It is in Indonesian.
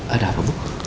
ada apa bu